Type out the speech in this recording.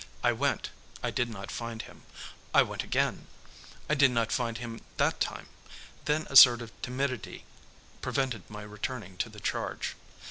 I went I did not find him. I went again. I did not find him that time. Then a sort of timidity prevented my returning to the charge.